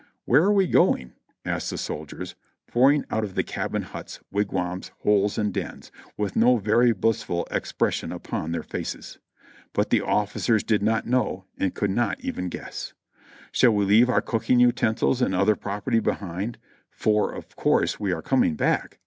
"Where are we going?" asked the soldiers, pouring out of the cabin huts, wigwams, holes and dens, with no very blissful ex pression upon their faces. But the officers did not know and could not even guess. "Shall we leave our cooking utensils and other property be hind, for of course we are coming back?"